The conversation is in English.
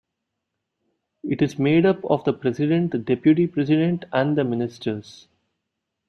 It is made up of the President, the Deputy President, and the Ministers.